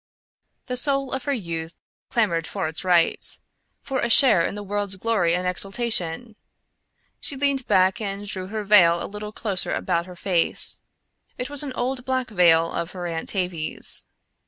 The soul of her youth clamored for its rights; for a share in the world's glory and exultation. She leaned back and drew her veil a little closer about her face. It was an old black veil of her Aunt Tavie's.